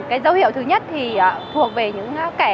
cái dấu hiệu thứ nhất thì thuộc về những kẻ